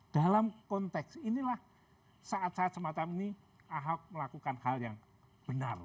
dalam konteks inilah saat saat semacam ini ahok melakukan hal yang benar